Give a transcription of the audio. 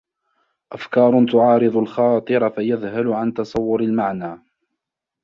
أَفْكَارٌ تُعَارِضُ الْخَاطِرِ فَيَذْهَلُ عَنْ تَصَوُّرِ الْمَعْنَى